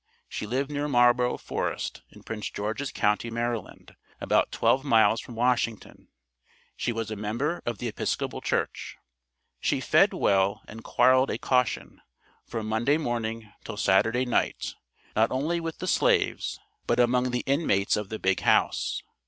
She lived near Marlborough Forest, in Prince George's county, Md., about twelve miles from Washington; she was a member of the Episcopal Church. She fed well, and quarrelled a caution, from Monday morning till Saturday night, not only with the slaves, but among the inmates of the big house.